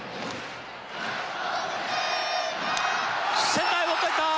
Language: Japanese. センターへ持っていった！